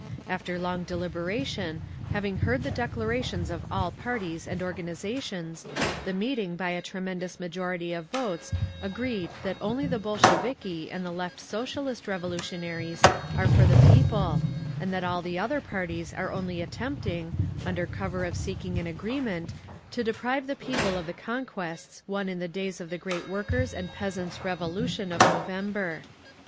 After long deliberation, having heard the declarations of all parties and organisations, the meeting by a tremendous majority of votes agreed that only the Bolsheviki and the Left Socialist Revolutionaries are for the people, and that all the other parties are only attempting, under cover of seeking an agreement, to deprive the people of the conquests won in the days of the great Workers' and Peasants' Revolution of November.